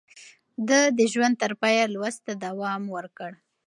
ده د ژوند تر پايه لوست ته دوام ورکړ.